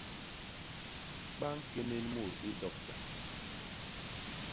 Ba ñkénél mut i dokta.